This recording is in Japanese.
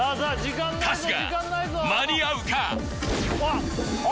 春日間に合うか？